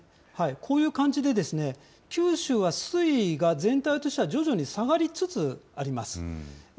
こういう感じで、九州は水位が全体としては徐々に下がりつつあります。